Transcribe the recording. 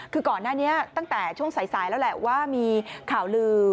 คือก่อนหน้านี้ตั้งแต่ช่วงสายแล้วแหละว่ามีข่าวลือ